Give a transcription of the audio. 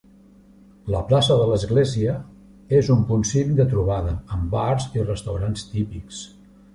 La plaça de l'Església, és un punt cívic de trobada, amb bars i restaurants típics.